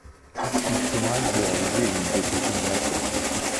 İhtimal bu ona bir müddet için ders olur…